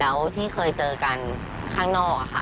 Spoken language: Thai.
แล้วที่เคยเจอกันข้างนอกค่ะ